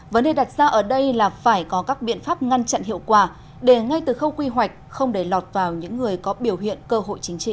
vấn đề đặt ra ở đây là phải có các biện pháp ngăn chặn hiệu quả để ngay từ khâu quy hoạch không để lọt vào những người có biểu hiện cơ hội chính trị